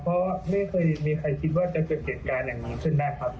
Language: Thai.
เพราะไม่เคยมีใครคิดว่าจะเกิดเหตุการณ์อย่างนั้นขึ้นได้ครับ